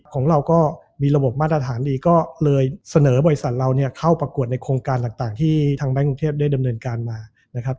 ของเราก็มีระบบมาตรฐานดีก็เลยเสนอบริษัทเราเนี่ยเข้าประกวดในโครงการต่างที่ทางแก๊งกรุงเทพได้ดำเนินการมานะครับ